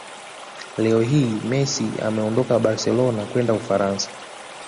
Leo hii Messi ameondoka barcelona kwenda Ufaransa